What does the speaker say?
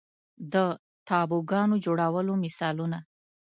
د تابوګانو جوړولو مثالونه